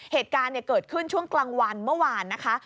เหตุการณ์เกิดขึ้นช่วงกลางวันเมื่อวานนะคะ